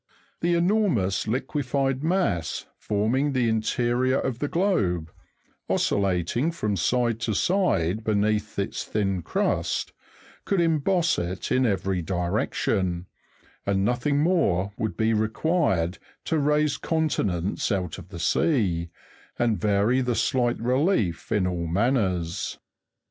The enormous liquified mass forming the interior of the globe, oscillating from side to side beneath its thin crust, could emboss it in every direction, and nothing more would be required to raise continents out of the sea, and vary the slight relief in all manners.